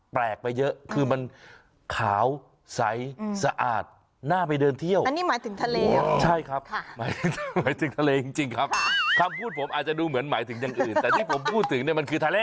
แปลกไปเยอะคือมันขาวใสสะอาดน่าไปเดินเที่ยวอันนี้หมายถึงทะเลใช่ครับหมายถึงหมายถึงทะเลจริงครับคำพูดผมอาจจะดูเหมือนหมายถึงอย่างอื่นแต่ที่ผมพูดถึงเนี่ยมันคือทะเล